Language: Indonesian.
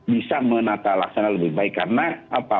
bisa menata laksana lebih baik karena apa